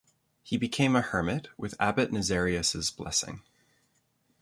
He became a hermit with Abbot Nazarius' blessing.